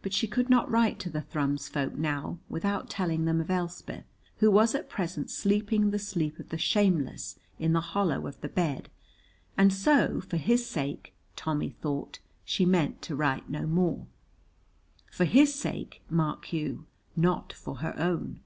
But she could not write to the Thrums folk now without telling them of Elspeth, who was at present sleeping the sleep of the shameless in the hollow of the bed, and so for his sake, Tommy thought, she meant to write no more. For his sake, mark you, not for her own.